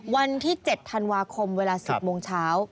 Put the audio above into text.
วันที่๗ธันวาคมเวลา๑๐โมงเช้า